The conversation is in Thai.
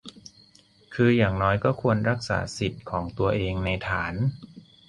คืออย่างน้อยก็ควรรักษาสิทธิของตัวเองในฐาน